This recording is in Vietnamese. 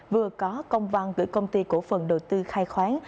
vừa có công văn gửi công ty cổ phần đầu tư khai khoáng